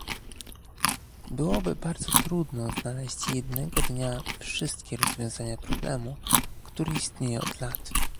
Byłoby bardzo trudno znaleźć jednego dnia wszystkie rozwiązania problemu, który istnieje od lat